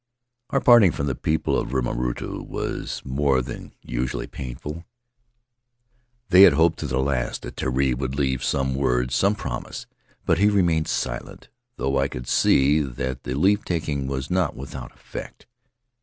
Our parting from the people o* [ 227 ] Faery Lands of the South Seas Riniarutu was more than usually painful; they had hoped to the last that Terii would leave some word, some promise; but he remained silent, though I could see that the leave taking was not without effect.